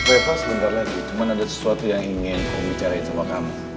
reva sebentar lagi cuman ada sesuatu yang ingin om bicarain sama kamu